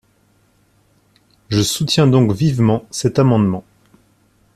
Je soutiens donc vivement cet amendement.